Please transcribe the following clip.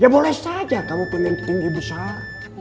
ya boleh saja kamu pemimpin tinggi besar